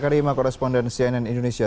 eka rima koresponden cnn indonesia